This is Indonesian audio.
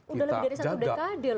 sudah lebih dari satu dekade loh pak kaka